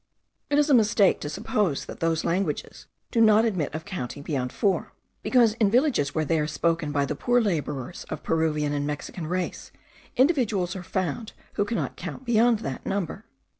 It is a mistake to suppose that those languages do not admit of counting beyond four, because in villages where they are spoken by the poor labourers of Peruvian and Mexican race, individuals are found, who cannot count beyond that number.